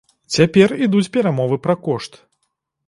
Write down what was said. Цяпер ідуць перамовы пра кошт.